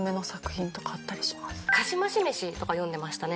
『かしましめし』とか読んでましたね